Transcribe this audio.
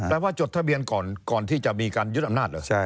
ว่าจดทะเบียนก่อนก่อนที่จะมีการยึดอำนาจเหรอ